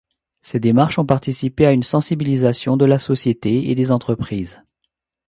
Ces démarches ont participé à une sensibilisation de la société et des entreprises.